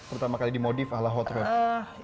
pertama kali dimodif ala hot rod